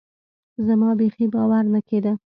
زما بيخي باور نه کېده.